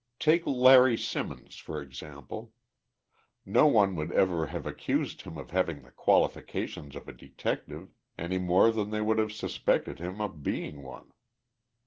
"Take Larry Simmons, for example. No one would ever have accused him of having the qualifications of a detective any more than they would have suspected him of being one.